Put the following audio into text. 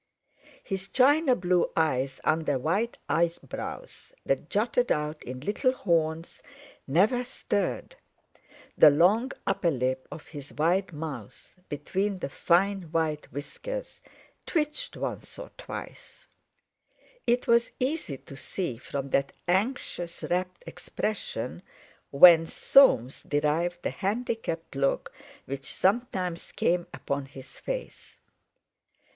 His china blue eyes under white eyebrows that jutted out in little horns, never stirred; the long upper lip of his wide mouth, between the fine white whiskers, twitched once or twice; it was easy to see from that anxious rapt expression, whence Soames derived the handicapped look which sometimes came upon his face.